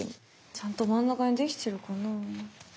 ちゃんと真ん中にできてるかな？